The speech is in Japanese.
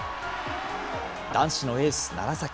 男子のエース、楢崎。